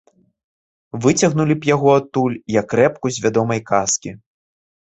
Выцягнулі б яго адтуль, як рэпку з вядомай казкі.